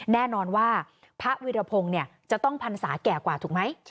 แน่นอนว่าพระวิรพงศ์จะต้องพรรษาแก่กว่าถูกไหม